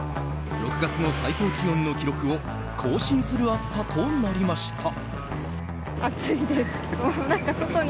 ６月の最高気温の記録を更新する暑さとなりました。